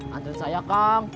nganterin saya kak